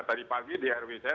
tadi pagi di rw saya